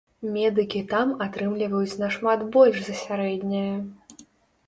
Медыкі там атрымліваюць нашмат больш за сярэдняе.